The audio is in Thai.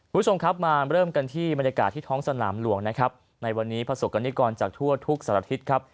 คุณผู้ชมครับมาเริ่มกันที่บรรยากาศที่ท้องสนามหลวงนะครับในวันนี้ประสบกรณิกรจากทั่วทุกสารทิศครับ